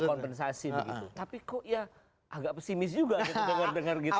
ada kompensasi begitu tapi kok ya agak pesimis juga gitu